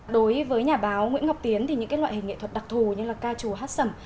đối với nhà báo nguyễn ngọc tiến thì những loại hình nghệ thuật đặc thù như là ca trù hát sẩm